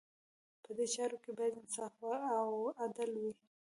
په دې چارو کې باید انصاف او عدل وي.